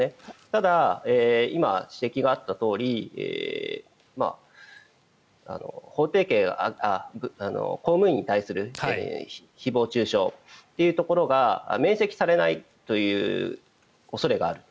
ただ、今指摘があったとおり公務員に対する誹謗・中傷というところが免責されないという恐れがある。